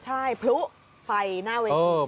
ใช่พลุไฟหน้าเวที